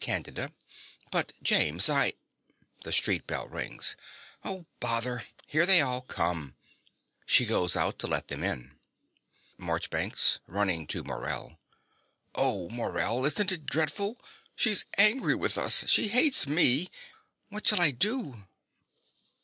CANDIDA. But, James, I (The street bell rings.) Oh, bother! Here they all come. (She goes out to let them in.) MARCHBANKS (running to Morell ). Oh, Morell, isn't it dreadful? She's angry with us: she hates me. What shall I do?